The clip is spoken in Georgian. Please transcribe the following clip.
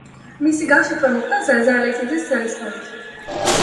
მისი გაშიფრვა მოხდა ზაზა ალექსიძის ძალისხმევით.